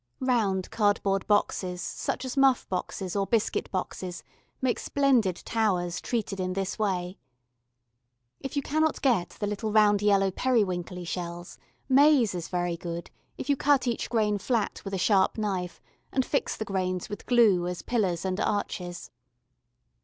Round cardboard boxes, such as muff boxes or biscuit boxes make splendid towers treated in this way. If you cannot get the little round yellow periwinkly shells, maize is very good if you cut each grain flat with a sharp knife, and fix the grains with glue as pillars and arches.